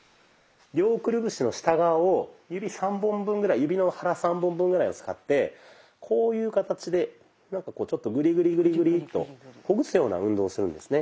両くるぶしの下側を指の腹３本分ぐらいを使ってこういう形でなんかこうグリグリグリグリとほぐすような運動をするんですね。